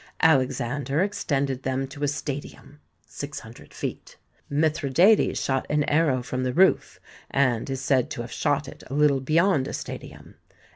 Alexander extended them to a stadium [600 feet]. Mithridates shot an arrow from the roof and is said to have shot it a little beyond a stadium.